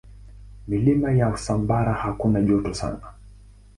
Milima ya Usambara hakuna joto sana.